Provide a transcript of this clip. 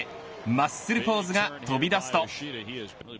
マッスルポーズが飛び出すと。